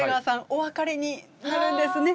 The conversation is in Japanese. お別れになるんですね。